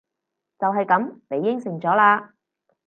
就係噉！你應承咗喇！